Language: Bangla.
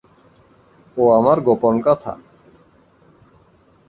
ও আমার গোপন কথা।